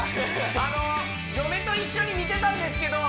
あの嫁と一緒に見てたんですけど